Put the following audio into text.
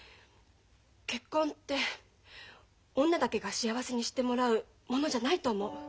結婚って女だけが幸せにしてもらうものじゃないと思う。